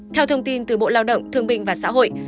theo thông tin từ bộ lao động thương binh và xã hội